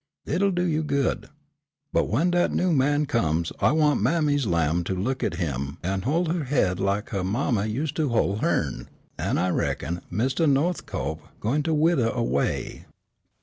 It'll do you good. But when dat new man comes I want mammy's lamb to look at him an' hol' huh haid lak' huh ma used to hol' hern, an' I reckon Mistah No'thcope gwine to withah away."